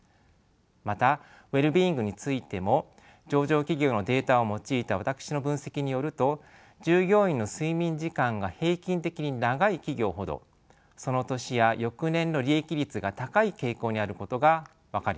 またウェルビーイングについても上場企業のデータを用いた私の分析によると従業員の睡眠時間が平均的に長い企業ほどその年や翌年の利益率が高い傾向にあることが分かりました。